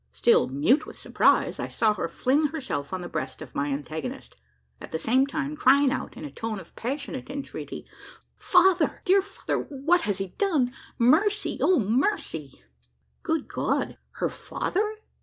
Still mute with surprise, I saw her fling herself on the breast of my antagonist at the same time crying out in a tone of passionate entreaty: "Father, dear father! what has he done? Mercy! O mercy!" Good God! her father?